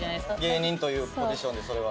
芸人というポジションでそれは。